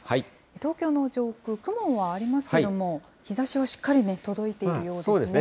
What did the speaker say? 東京の上空、雲はありますけども、日ざしはしっかり届いているようですね。